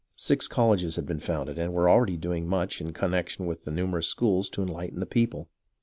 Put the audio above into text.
Six colleges had been founded, and were already doing much in connection with the numer ous schools to enlighten the people.